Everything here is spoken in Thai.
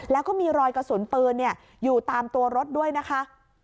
แล้วก็มีรอยกระสุนปืนอยู่ตามตัวรถด้วยนะคะ